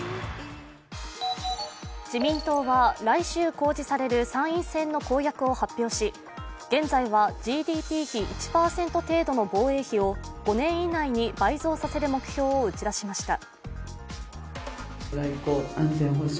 自民党は、来週公示される参院選の公約を発表し現在はＧＤＰ比１％程度の防衛費を５年以内に倍増させる目標を打ち出しました。